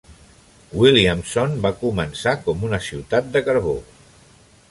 Williamson va començar com una ciutat de carbó.